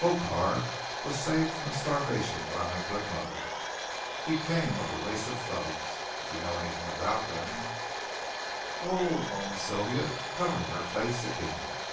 Hokar was saved from starvation by my good mother. He came of the race of Thugs, if you know anything about them " "Oh," moaned Sylvia, covering her face again.